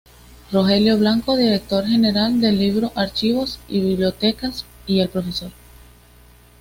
Rogelio Blanco, Director General del Libro, Archivos y Bibliotecas, y el prof.